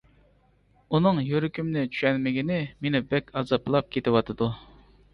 -ئۇنىڭ يۈرىكىمنى چۈشەنمىگىنى مېنى بەك ئازابلاپ كېتىۋاتىدۇ.